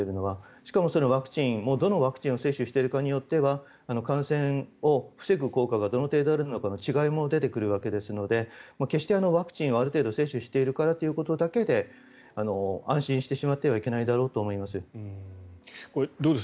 しかも、そのワクチンもどのワクチンを接種しているかによっては感染を防ぐ効果がどれくらいあるかの違いも出てくるわけですので決してワクチンをある程度接種しているからということだけで安心してしまってはいけないだろうとは思います。